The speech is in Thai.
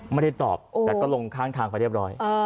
ไม่ได้ตอบแต่ก็ลงข้างทางไปเรียบร้อย